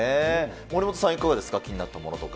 森本さんはいかがですか、気になったものとか。